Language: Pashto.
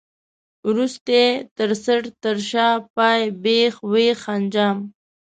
وروستی، تر څټ، تر شا، پای، بېخ، وېخ، انجام.